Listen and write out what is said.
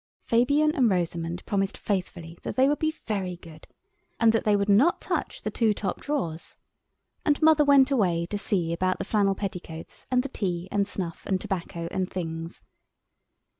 Fabian and Rosamund promised faithfully that they would be very good and that they would not touch the two top drawers, and Mother went away to see about the flannel petticoats and the tea and snuff and tobacco and things.